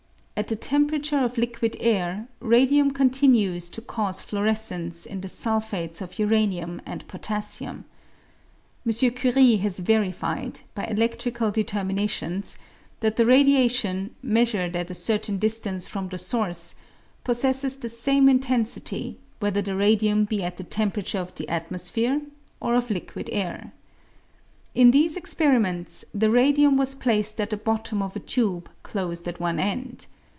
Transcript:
At the temperature of liquid air radium continues to cause fluorescence in the sulphates of uranium and potassium. M. Curie has verified, by eledrical determinations, that the radiation, measured at a certain distance from the source, possesses the same intensity whether the radium be at the temperature of the atmosphere or of liquid air. In these experiments the radium was placed at the bottom of a tube closed at one end.